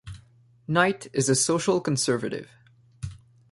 Knight is a social conservative.